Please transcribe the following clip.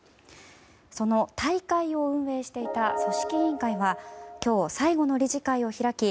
その大会を運営していた組織委員会は今日、最後の理事会を開き